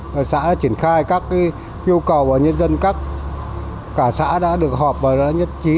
xã đã triển khai các yêu cầu và nhân dân các xã đã được họp và nhất trí